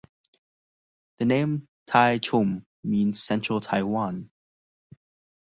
The name "Taichung" means "central Taiwan".